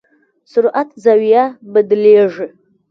سرعت زاویه بدلېږي.